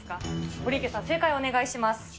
堀池さん、正解をお願いします。